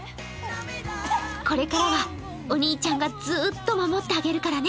これからはお兄ちゃんがずっと守ってあげるからね。